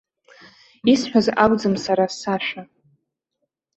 Исҳәаз акәӡам сара сашәа.